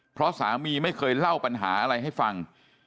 เพราะสามีไม่เคยเล่าปัญหาอะไรให้ฟัง